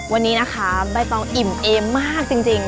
วันนี้นะคะใบตองอิ่มเอมมากจริง